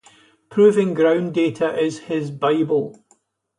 Proving ground data is his bible.